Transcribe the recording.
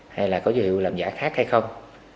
hay là có dấu hiệu làm giả khác hay không